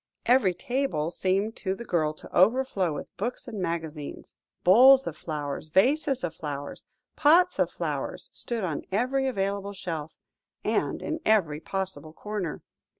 Every table seemed to the girl to overflow with books and magazines; bowls of flowers, vases of flowers, pots of flowers, stood on every available shelf, and in every possible corner.